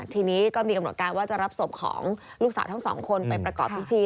ทีนี้ก็มีกำหนดการว่าจะรับศพของลูกสาวทั้งสองคนไปประกอบพิธี